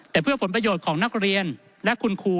แต่เพื่อผลประโยชน์ของนักเรียนและคุณครู